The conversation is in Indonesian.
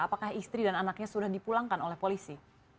apakah istri dan anaknya sudah dipulangkan oleh polisi